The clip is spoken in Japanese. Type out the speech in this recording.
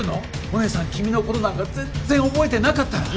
お姉さん君のことなんか全然覚えてなかったら。